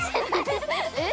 えっ？